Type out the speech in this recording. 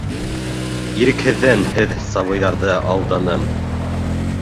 Ирекһеҙҙән һеҙ сабыйҙарҙы алданым.